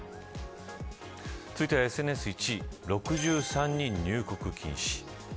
続いてはＳＮＳ１位６３人入国禁止。